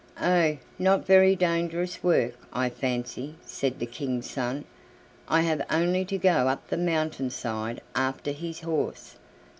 "Oh! not very dangerous work, I fancy," said the King's son. "I have only to go up the mountain side after his horse."